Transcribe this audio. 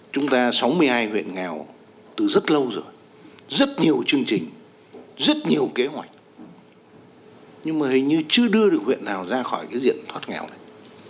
chúng ta sáu mươi hai huyện nghèo từ rất lâu rồi rất nhiều chương trình rất nhiều kế hoạch nhưng mà hình như chưa đưa được huyện nào ra khỏi cái diện thoát nghèo này